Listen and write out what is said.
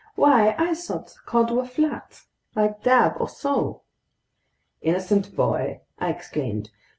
"Why, I thought cod were flat, like dab or sole!" "Innocent boy!" I exclaimed.